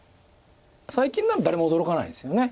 最近なら誰も驚かないですよね。